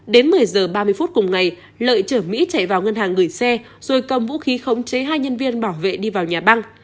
đến một mươi h ba mươi phút cùng ngày lợi chở mỹ chạy vào ngân hàng gửi xe rồi cầm vũ khí khống chế hai nhân viên bảo vệ đi vào nhà băng